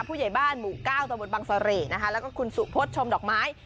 ผู้ใหญ่บ้านหมู่ก้าวตรงบนบังเสร็จแล้วก็คุณสุโพธิ์ชมดอกไม้